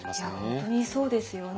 本当にそうですよね。